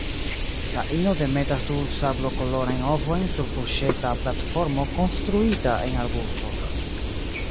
La ino demetas du sablokolorajn ovojn sur fuŝeta platformo konstruita en arbusto.